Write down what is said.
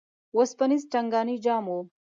وسپنیز ټنګانی جام او